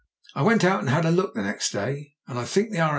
I went out and had a look next day, the day I think that R.